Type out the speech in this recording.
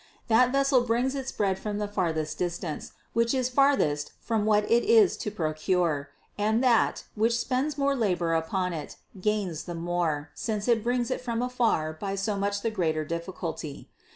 That vessel brings its bread from the farthest distance, which is farthest from what it is to procure; and that, which spends more labor upon it, gains the more, since it brings it from afar by so much the greater difficulty.